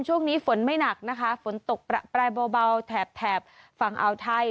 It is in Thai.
ช่วงนี้ฝนไม่หนักนะคะฝนตกประแปรเบาแถบแถบฝั่งอ่าวไทย